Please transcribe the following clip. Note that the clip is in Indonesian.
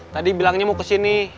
tadi bilangnya mau kesini